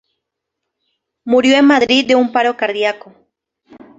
Murió en Madrid de un paro cardíaco.